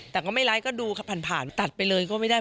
แต่ก็ไม่ไลค์ก็ดูผ่านตัดไปเลยก็ไม่ได้